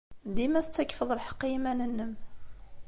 Dima tettakfeḍ lḥeqq i yiman-nnem.